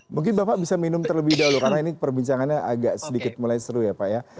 mungkin bapak bisa minum terlebih dahulu karena ini perbincangannya agak sedikit mulai seru ya pak ya